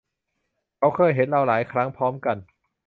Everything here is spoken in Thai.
เขาเคยเห็นเราหลายครั้งพร้อมกัน